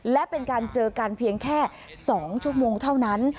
และเป็นการเจอกันเพียงแค่๒ชั่วโมงเท่านั้น